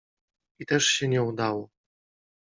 I też się nie udało.